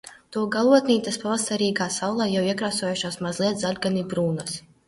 To galotnītes pavasarīgā saulē jau iekrāsojušās mazliet zaļgani brūnas.